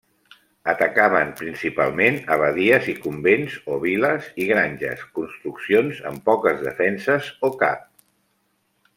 Atacaven principalment abadies i convents o viles i granges, construccions amb poques defenses o cap.